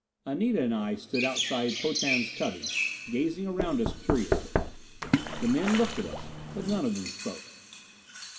Anita and I stood outside Potan's cubby, gazing around us curiously. The men looked at us, but none of them spoke.